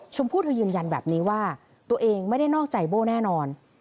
ชมพู่เธอยืนยันแบบนี้ว่าตัวเองไม่ได้นอกใจโบ้แน่นอน